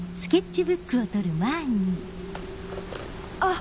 あっ！